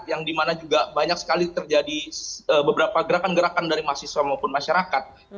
yang dimana juga banyak sekali terjadi beberapa gerakan gerakan dari mahasiswa maupun masyarakat